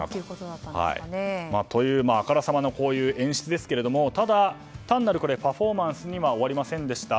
あからさまな演出ですけれどもただ、単なるパフォーマンスには終わりませんでした。